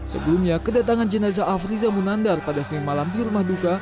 sebelumnya kedatangan jenazah afriza munandar pada senin malam di rumah duka